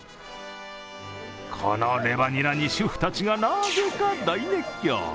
このレバニラに主婦たちがなぜか大熱狂。